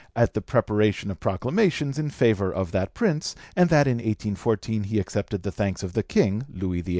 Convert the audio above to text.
at the preparation of proclamations in favour of that Prince, and that in 1814 he accepted the thanks of the King, Louis XVIII.